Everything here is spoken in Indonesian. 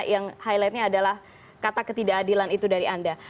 yang highlightnya adalah kata ketidakadilan itu dari anda